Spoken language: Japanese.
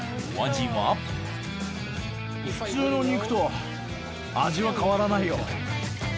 普通の肉と味は変わらないよ。